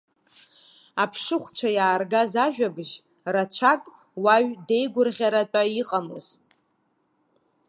Аԥшыхәцәа иааргаз ажәабжь рацәак уаҩ деигәырӷьаратәа иҟамызт.